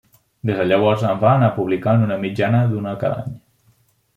Des de llavors en va anar publicant una mitjana d'una cada any.